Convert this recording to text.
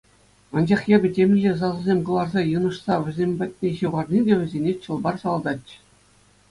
Анчах эпӗ темӗнле сасӑсем кӑларса йынӑшса вӗсем патне ҫывхарни те вӗсене чӑл-пар салататчӗ.